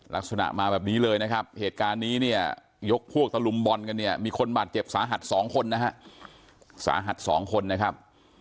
รักษณะมาแบบนี้เลยนะครับเหตุการณ์นี้ยกพวกตะลุมบอนกันมีคนบาดเจ็บสาหัส๒คนนะครับ